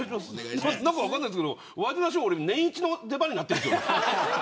何か分かんないですけどワイドナショー年いちの出番になってない。